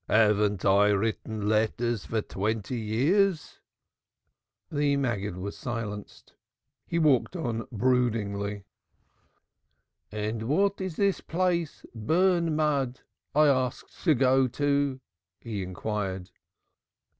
"Haven't I written letters for twenty years?" The Maggid was silenced. He walked on brooding. "And what is this place, Burnmud, I ask to go to?" he inquired.